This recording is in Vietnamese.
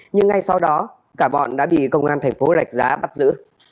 nhưng ngay sau đó cả bọn đã bị công an thành phố rạch giá bắt giữ